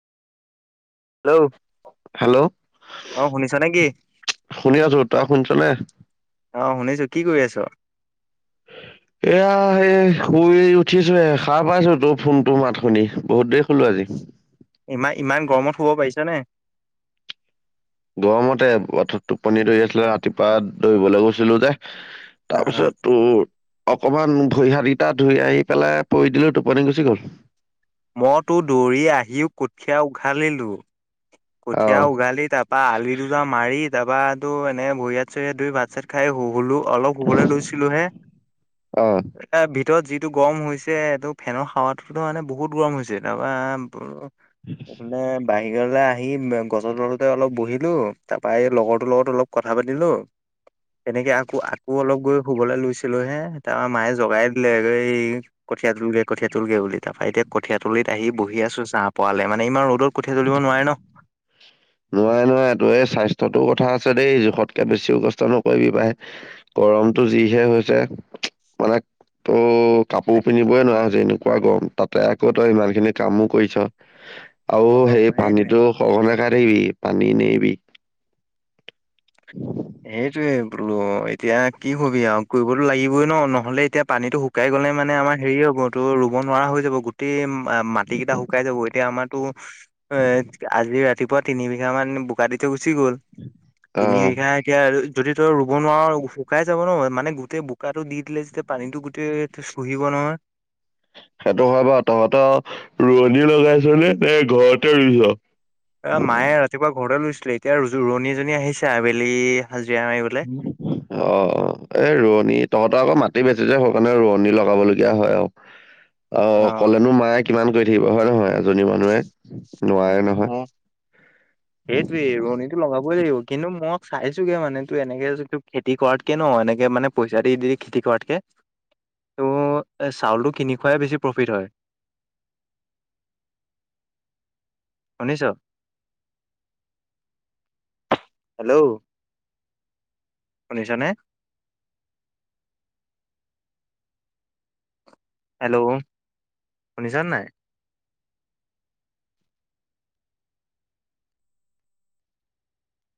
Hello hello অ শুনিছ নেকি। শুনি আছো ত শুনিছ নে। অ শুনিছো কি কৰি আছ। এয়া এই শুই উঠিছো এ খাৰ পাইছো তোৰ ফোনটো মাত শুনি বহুত দেৰি। কলো আজি। ইমান ইমান গৰমত শুব পাৰিছা নে। গৰমতে পথত টোপনি ধৰি আছিলে ৰাতিপুৱা দৰিবলৈ গৈছিলো যে। অ অ তাৰপিছত তোৰ। অকমান ভৰিহাতীটা ধুই আহি পেলাই পৰি দিলো টোপনি গুচি গল। মইতো দৌৰি আহিও কঠীয়া উঘালিলোঁ। অ কঠিয় উঘালি তাৰপা আলি দুজা মাৰি। দাবাতো এনে ভৰিয়াত চৰিয়াত ধুই ভাত চাত খাই শু হুলো। অলপ শুবলৈ লৈছিলো হে অ এ। ভিতৰত যিটো গৰম হৈছে এইটো ফেনৰ সাৱাটো ত মানে বহুত গৰম হৈছে তাৰপৰা। এফে বাই গলা। আহি গছৰ তলতে অলপ বহিলোঁ তাৰপৰাই লগৰটোৰ লগত অলপ কথা পাতিলোঁ। তেনেকে আকৌ আকৌ অলপ গৈ শুবলৈ লৈছিলো হে তাৰপৰা মায়ে জগাই দিলে এই। কঠিয়াতুলগে কঠিয়াতুলগে বুলি তাৰপৰা এতিয়া কঠিয়াত তুলিত আহি বহি আছো চাহ পোৱালে মানে ইমান ৰদত। কঠিয়া তুলিব নোৱাৰে ন। নোৱাৰে নোৱাৰে তই‌ এই স্বাস্থ্যটো কথা আছে দেই জোখতকে বেছিও কষ্ট নকৰিবি পাই গৰম গৰমটো যিহে হৈছে মানে ত। কাপোৰ পিন্ধিবই নোৱাৰো যেনেকুৱা গৰম তাতে আকৌ তই ইমান খিনি কামো কৰিছ। আৰু অ', সেই সেইটোৱে। পানীটো। সঘনে খাই থাকিবি পানী নেৰিবি। সেইটোৱে। বোলো এতিয়া কি কবি আৰু কৰিবতো লাগিবই ন নহলে এতিয়া পানীতটো শুকাই গলে মানে আমাৰ হেৰি। তো ৰুব নোৱাৰা হৈ যাব গোটেই মাটি কেইটা শুকাই যাব এতিয়া আমাৰতো এ। আজি ৰাতিপুৱা তিনি বিঘা মান বোকা দিতে গুচি গ'ল অ তিনি বিঘা এতিয়া আৰু। যদি তই ৰুব নোৱাৰ শুকাই যাব ন মানে গোটেই বোকাটো দি দিলে যেতিয়া পানীটো গোটেই চুহিব ন [unintelligible] সেইটো হয় বাও তহঁতৰ ৰোৱনী লগাইছ নে নে ঘৰতে ৰুইছ অ মায়ে ৰাতিপুৱা ঘৰতে ৰুইছিলে এতিয়া ৰোৱনি এজনী আহিছে আবেলি, হাজিৰা মাৰিবলে অ এ ৰোৱনী তহতৰ আকৌ মাটি বেছি যে সেইকাৰণে ৰোৱনী লগাবলগীয়া হয় আৰু অ অকলে নো মায়ে কিমান কৰি থাকিব হয় নহয় এজনী মানুহে নোৱাৰে নহয় সেইটোয়ে ৰোৱনীনিটো লগাবই লাগিব কিন্তু মই চাইছোগে মানে তোৰ এনেকে ত খেতি কৰাতকে ন এনেকে মানে পইচা দি দি খেতি কৰাতকে ত চাউলটো কিনি খুৱাই বেছি প্ৰফিট হয় শুনিছ? হেল্ল' শুনিছ নে? হেল্ল' শুনিছ নাই?